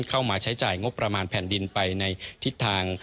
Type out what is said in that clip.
เข้ามาใช้จ่ายงบประมาณแผ่นดินไปในทิศทาง